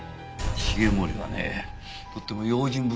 繁森はねとっても用心深い。